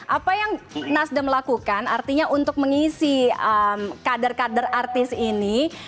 apa yang nasdem lakukan artinya untuk mengisi kader kader artis ini